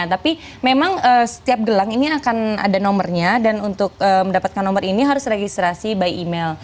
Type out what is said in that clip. tapi memang setiap gelang ini akan ada nomornya dan untuk mendapatkan nomor ini harus registrasi by email